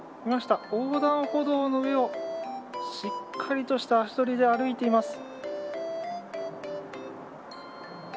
横断歩道の上をしっかりとした足取りで歩いています。